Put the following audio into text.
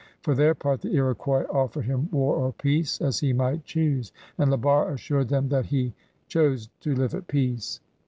For their part the Iroquois offered him war or peace as he might choose, and La Barre assured them that he chose to live at peace.